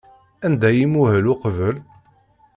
Anda ay imuhel uqbel?